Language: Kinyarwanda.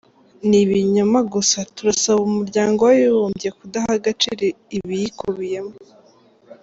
Ni ibinyoma gusa, turasaba umuryango w’Abibumbye kudaha agaciro ibiyikubiyemo”.